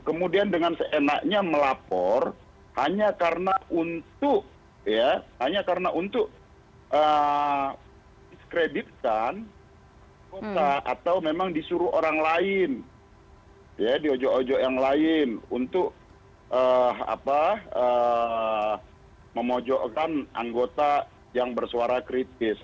kemudian dengan seenaknya melapor hanya karena untuk ya hanya karena untuk diskreditkan anggota atau memang disuruh orang lain ya di ojo ojo yang lain untuk apa memojokkan anggota yang bersuara kritis